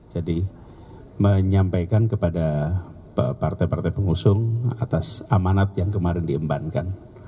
jadi menyampaikan kepada partai partai pengusung atas amanat yang kemarin diembankan